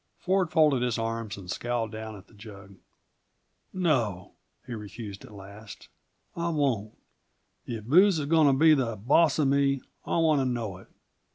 Ford folded his arms and scowled down at the jug. "No," he refused at last, "I won't. If booze is going to be the boss of me I want to know it.